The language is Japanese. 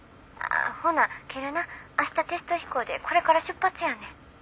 ほな切るな明日テスト飛行でこれから出発やねん。